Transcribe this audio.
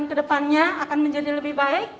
ke depannya akan menjadi lebih baik